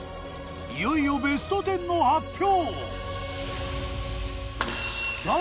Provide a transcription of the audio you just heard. いよいよベスト１０の発表！